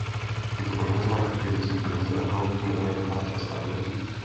Tyto organizované aktivity stojí peníze a mnoho lidí na ně nemá čas a energii.